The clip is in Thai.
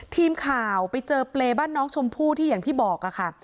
ทีมข่าวไปเจอเปรย์บ้านน้องชมพู่ที่อย่างที่บอกค่ะ